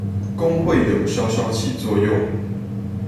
工會有稍稍起作用